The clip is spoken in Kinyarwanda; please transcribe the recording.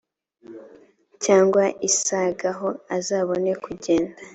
cyangwa isagaho azabone kugenda